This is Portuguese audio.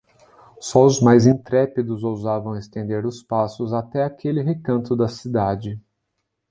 Só os mais intrépidos ousavam estender os passos até aquele recanto da cidade.